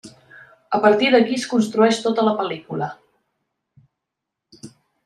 A partir d'aquí es construeix tota la pel·lícula.